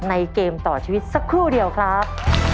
เกมต่อชีวิตสักครู่เดียวครับ